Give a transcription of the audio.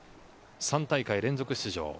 ３大会連続出場。